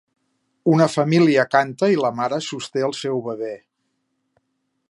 Una família canta i la mare sosté el seu bebè.